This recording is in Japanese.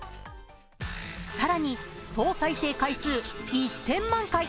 更に、総再生回数１０００万回。